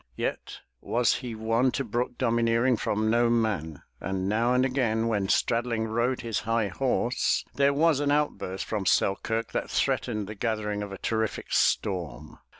Yet was he one to brook domineering from no man, and now and again when Straddling rode his high horse, there was an outburst from Selkirk that threatened the gathering of a terrific storm.